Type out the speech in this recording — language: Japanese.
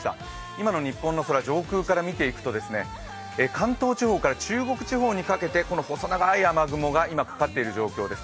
今の日本の空、上空から見ていくとですね、関東地方から中国地方にかけて細長い雨雲が今、かかっている状況です。